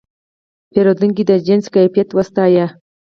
پیرودونکی د جنس کیفیت وستایه.